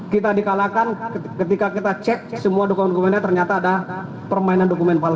kita dikalahkan ketika kita cek semua dokumen dokumennya ternyata ada permainan dokumen palsu